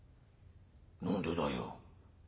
「何でだよ」。